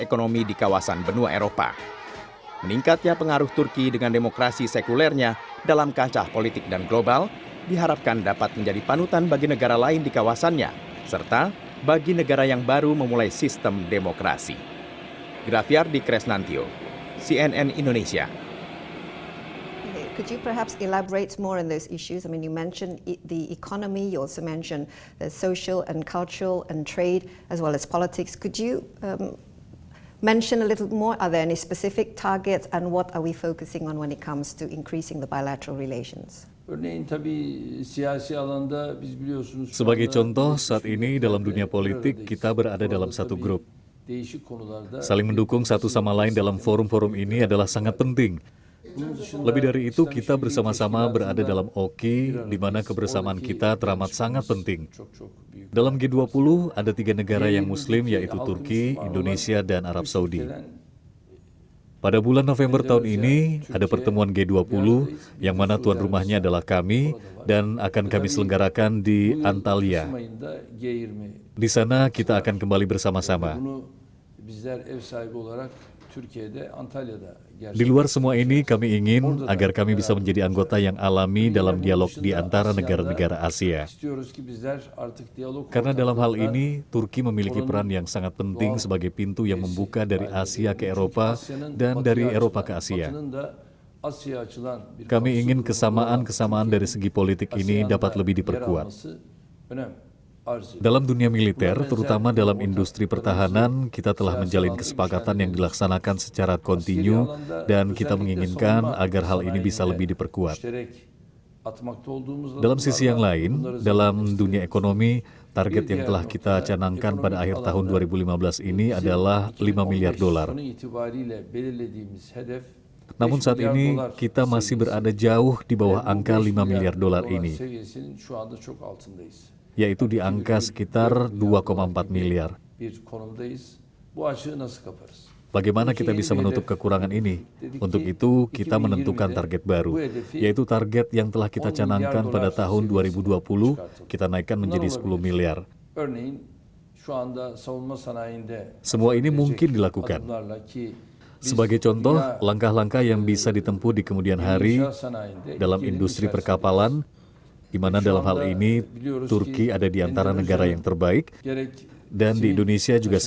contohnya kita pernah melihat kejadian indonesia berjalan ke sana untuk bergabung dengan penyerang isis